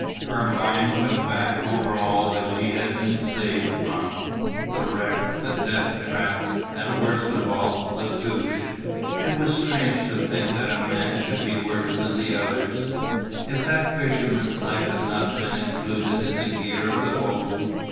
Her mind went back over all that she had been saved from the wreck, the deathtraps and worst of all La Touche. It was strange to think that a man should be worse than the others. If that fisherman's knife had not been included in the gear of the boat!